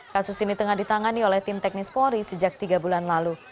kasus ini tengah ditangani oleh tim teknis polri sejak tiga bulan lalu